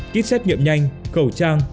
kit xét nghiệm nhanh khẩu trang